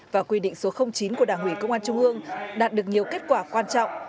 và quy định số chín của đảng ủy công an trung ương đạt được nhiều kết quả quan trọng